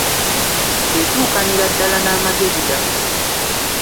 Etuukanira ddala n'amagezi gaffe.